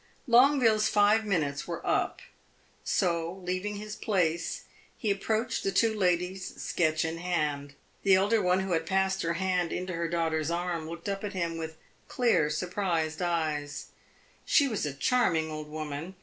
Longueville's five minutes were up; so, leaving his place, he approached the two ladies, sketch in hand. The elder one, who had passed her hand into her daughter's arm, looked up at him with clear, surprised eyes; she was a charming old woman.